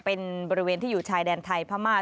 เป็นบริเวณที่อยู่ชายแดนไทยพม่า